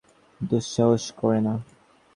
কোনো পুলিশ আমাকে থামানোর দুৎসাহস করে না।